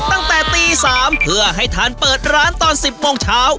ตั้งแต่ตี๓เพื่อให้ทานเปิดร้านตอน๑๐โมงเช้า